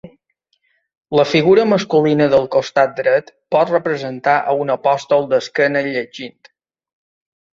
La figura masculina del costat dret pot representar a un apòstol d'esquena llegint.